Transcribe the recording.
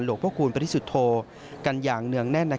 หลวงพระคุณพระทิสุทธิ์โทกันอย่างเนื่องแน่น